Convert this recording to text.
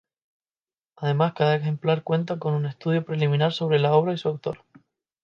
Además, cada ejemplar cuenta con un estudio preliminar sobre la obra y su autor.